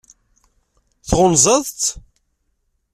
Tɣunzaḍ-tt?